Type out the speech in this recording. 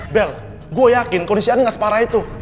bel gue yakin kondisi arin gak separah itu